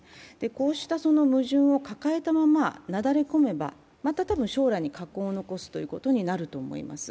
こうした矛盾を抱えたままなだれ込めば、また将来に禍根を残すことになると思います。